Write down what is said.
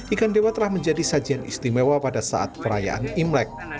ikan dewa telah menjadi sajian istimewa pada saat perayaan imlek